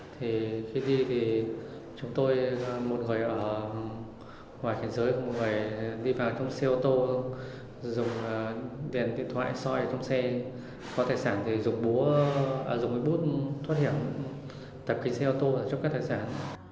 thì khi đi thì chúng tôi một người ở ngoài thế giới một người đi vào trong xe ô tô dùng điện thoại soi trong xe có tài sản thì dùng bút thoát hiểm tập kính xe ô tô là trúc cắt tài sản